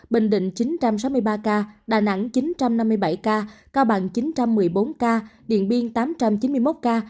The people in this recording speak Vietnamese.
bình định một chín trăm sáu mươi ba ca đà nẵng một chín trăm năm mươi bảy ca cao bằng một chín trăm một mươi bốn ca điện biên một tám trăm chín mươi một ca